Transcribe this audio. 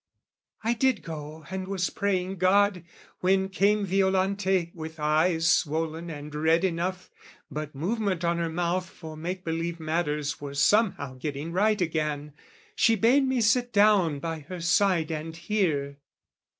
I did go and was praying God, when came Violante, with eyes swollen and red enough, But movement on her mouth for make believe Matters were somehow getting right again. She bade me sit down by her side and hear.